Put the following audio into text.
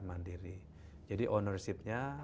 mandiri jadi ownership nya